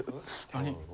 何？